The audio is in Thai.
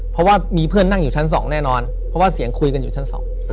เพราะว่ามีเพื่อนนั่งอยู่ชั้นสองแน่นอนเพราะว่าเสียงคุยกันอยู่ชั้นสอง